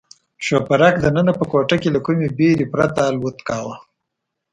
شوپرک دننه په کوټه کې له کومې بېرې پرته الوت کاوه.